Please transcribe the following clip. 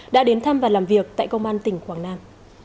đã đến thăm và làm việc tại công an tỉnh quảng nam